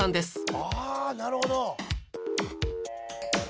ああなるほど！